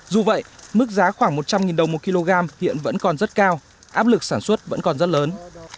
dù vậy mức giá khoảng một trăm linh đồng một kg hiện vẫn còn rất cao áp lực sản xuất vẫn còn rất lớn